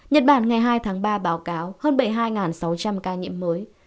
nhật bản ngày hai tháng ba báo cáo hơn bảy mươi hai sáu trăm linh ca nhiễm mới